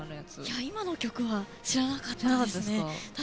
今の曲は知らなかったですね。